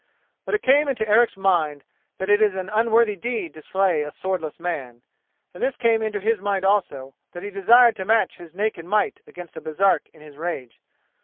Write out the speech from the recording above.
But it came into Eric's mind that it is an unworthy deed to slay a swordless man, and this came into his mind also, that he desired to match his naked might against a Baresark in his rage.